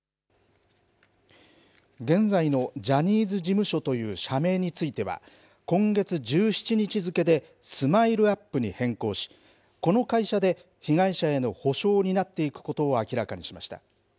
現在のジャニーズ事務所という社名については、今月１７日付でＳＭＩＬＥーＵＰ．に変更し、この会社で被害者への補償を担っていくことを明らかにしました。